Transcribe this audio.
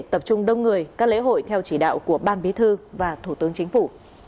tập trung đông người các lễ hội theo chỉ đạo của ban bí thư và thủ tướng chính phủ